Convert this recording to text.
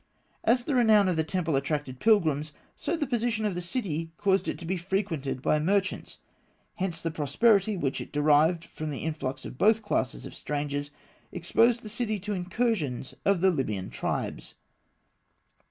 As the renown of the temple attracted pilgrims, so the position of the city caused it to be frequented by merchants; hence the prosperity which it derived from the influx of both classes of strangers exposed the city to incursions of the Libyan tribes.